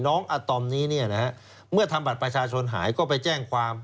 น้องอะตอมนี้เมื่อทำบัตรประชาชนหายก็ไปแจ้งความ